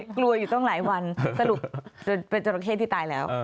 กลัวอยู่ตั้งหลายวันสรุปเป็นจราเข้ที่ตายแล้ว